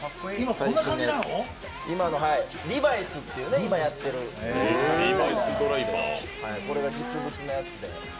リバイスという今やっている、これが実物のやつで。